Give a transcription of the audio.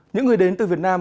những người đến từ việt nam